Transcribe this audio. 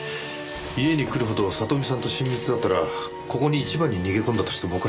家に来るほど里実さんと親密だったらここに一番に逃げ込んだとしてもおかしくありません。